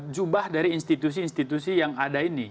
jubah dari institusi institusi yang ada ini